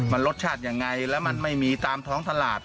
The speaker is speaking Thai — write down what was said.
มันรสชาติยังไงแล้วมันไม่มีตามท้องตลาด